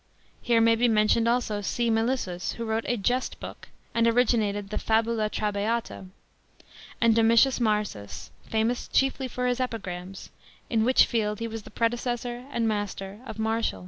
Here may be mentioned also C. MELISSOS, who wrote a jest book, and originated the fabula trabeata ; and DOMITIUS MABSUS, famous chiefly for his Epigrams, f in which field he was the predecessor and master of Martial.